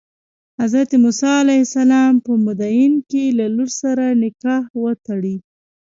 حضرت موسی علیه السلام په مدین کې له لور سره نکاح وتړي.